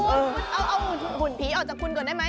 เอาหุ่นผีออกจากคุณก่อนได้ไหม